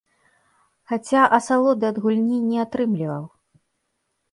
Хаця асалоды ад гульні не атрымліваў.